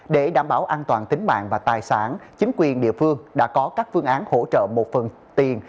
để đảm bảo an toàn tính mạng và tài sản chính quyền địa phương đã có các phương án hỗ trợ một phần tiền